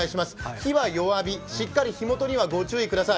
火は弱火、しっかり火元にはご注意ください。